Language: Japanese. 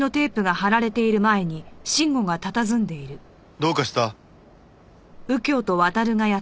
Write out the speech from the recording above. どうかした？